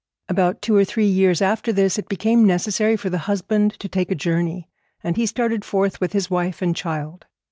About two or three years after this it became necessary for the husband to take a journey, and he started forth with his wife and child.